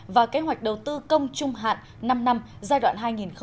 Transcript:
và kế hoạch đầu tư công trung hạn năm năm giai đoạn hai nghìn hai mươi một hai nghìn hai mươi năm